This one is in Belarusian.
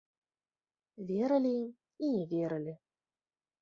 Верылі ім і не верылі.